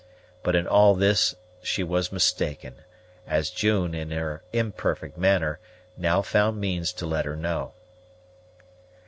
But in all this she was mistaken, as June, in her imperfect manner, now found means to let her know.